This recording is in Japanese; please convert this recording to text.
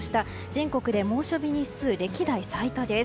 全国で猛暑日日数歴代最多です。